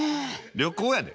旅行やで？